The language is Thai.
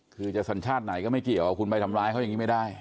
คือจะสัญชาติไหนก็ไม่เกี่ยวคุณไปทำร้ายเขาอย่างนี้ไม่ได้